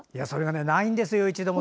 ないんですよ、一度も。